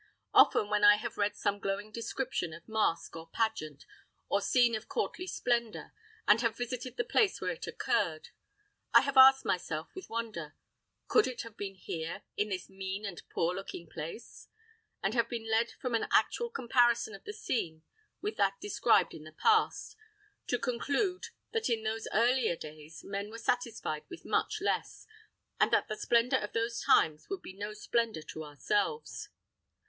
Often, when I have read some glowing description of mask or pageant, or scene of courtly splendor, and have visited the place where it occurred, I have asked myself, with wonder, "Could it have been here, in this mean and poor looking place?" and have been led from an actual comparison of the scene with that described in the past, to conclude that in those earlier days men were satisfied with much less, and that the splendor of those times would be no splendor to ourselves.